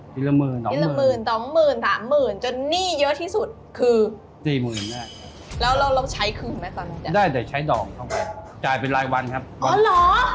ซีละหมื่นสองหมื่นซีละหมื่นสองหมื่นสามหมื่น